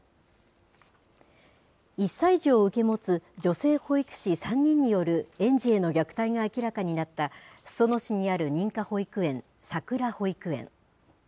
１歳児を受け持つ女性保育士３人による園児への虐待が明らかになった、裾野市にある認可保育園、さくら保育園。